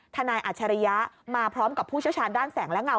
นายอัจฉริยะมาพร้อมกับผู้เชี่ยวชาญด้านแสงและเง